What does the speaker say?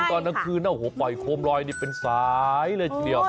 พิมพ์ตอนนักคืนนี่เปล่าฝ่ายโคมลอยเป็นสายเลยทีเดียว